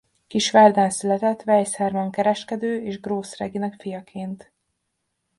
Kisvárdán született Weisz Herman kereskedő és Grósz Regina fiaként.